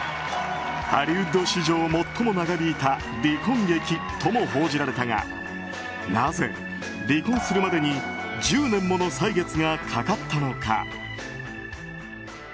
ハリウッド史上最も長引いた離婚劇とも報じられたがなぜ離婚するまでに１０年もの歳月がかかったのか。